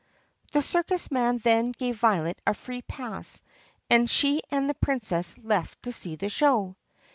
The circus man then gave Violet a free pass and she and the Princess left to see the show.